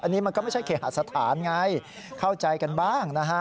อันนี้มันก็ไม่ใช่เคหสถานไงเข้าใจกันบ้างนะฮะ